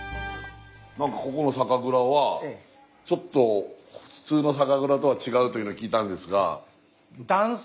何かここの酒蔵はちょっと普通の酒蔵とは違うというのを聞いたんですが。